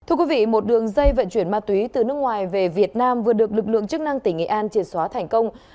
thưa quý vị một đường dây vận chuyển ma túy từ nước ngoài về việt nam vừa được lực lượng chức năng tỉnh nghệ an triệt xóa thành công